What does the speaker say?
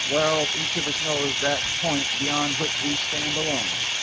well, each of us knows that point beyond which we stand alone.